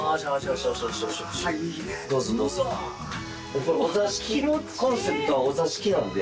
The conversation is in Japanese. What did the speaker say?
ここお座敷コンセプトはお座敷なんで。